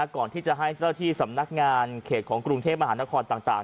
ก่อนที่จะให้เจ้าที่สำนักงานเขตของกรุงเทพมหานครต่าง